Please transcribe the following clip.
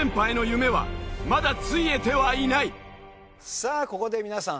さあここで皆さん